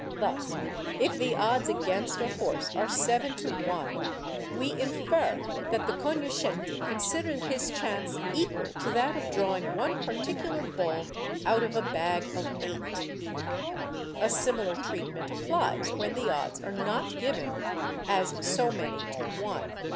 Thus, if the odds against a horse are 7 to 1, we infer that the cognoscenti consider his chance equal to that of drawing one particular ball out of a bag of eight. A similar treatment applies when the odds are not given as so many to one.